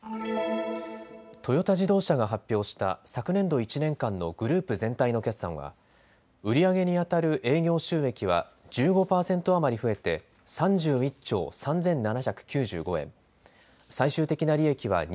トヨタ自動車が発表した昨年度１年間のグループ全体の決算は売り上げにあたる営業収益は１５％余り増えて３１兆３７９５円、失礼しました。